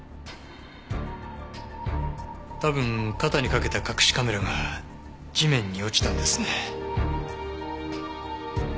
多分肩に掛けた隠しカメラが地面に落ちたんですね。